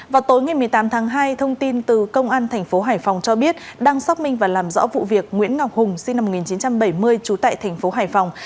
vào tối một mươi tám tháng hai thông tin từ công an tp hải phòng cho biết đăng sóc minh và làm rõ vụ việc nguyễn ngọc hùng sinh năm một nghìn chín trăm bảy mươi trú tại tp hải phòng